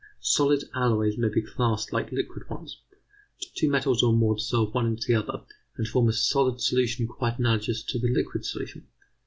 Solid alloys may be classed like liquid ones. Two metals or more dissolve one into the other, and form a solid solution quite analogous to the liquid solution.